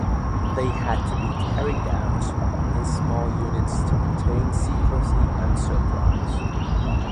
They had to be carried out in small units to maintain secrecy and surprise.